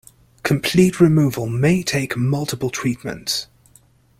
Complete removal may take multiple treatments.